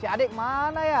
si adik mana ya